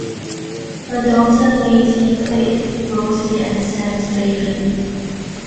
Her daughter Maisy played Rosie and Sam's baby.